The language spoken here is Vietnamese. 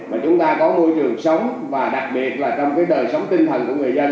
mà chúng ta có môi trường sống và đặc biệt là trong cái đời sống tinh thần của người dân